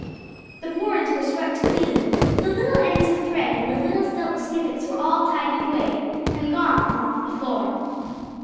The boards were swept clean; the little ends of thread and the little silk snippets were all tidied away, and gone from off the floor.